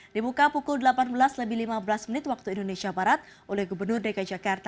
dibuka pukul delapan belas lebih lima belas menit waktu indonesia barat oleh gubernur dki jakarta